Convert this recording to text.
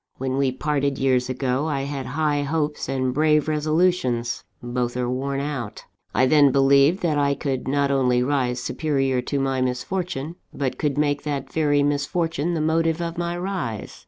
When we parted years ago, I had high hopes and brave resolutions both are worn out. I then believed that I could not only rise superior to my misfortune, but could make that very misfortune the motive of my rise.